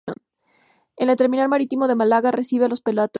En el terminal marítimo de Málaga recibe a los petroleros.